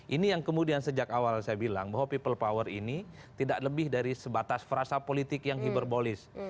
ini yang kemudian sejak awal saya bilang bahwa people power ini tidak lebih dari sebatas frasa politik yang hiberbolis